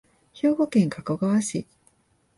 兵庫県加古川市